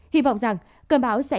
hy vọng rằng cơn bão sẽ